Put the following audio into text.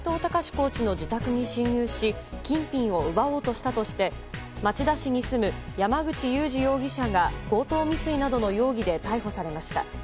コーチの自宅に侵入し金品を奪おうとしたとして町田市に住む山口祐司容疑者が強盗未遂などの容疑で逮捕されました。